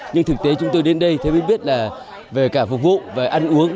nhưng thực tế chúng tôi đến đây thấy biết là về cả phục vụ về ăn uống